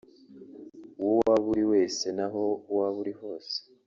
uwo waba uriwe wese naho waba uri hose